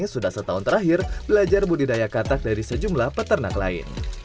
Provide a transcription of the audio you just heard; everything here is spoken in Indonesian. sudah setahun terakhir belajar budidaya katak dari sejumlah peternak lain